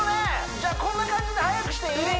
じゃあこんな感じで速くしていい？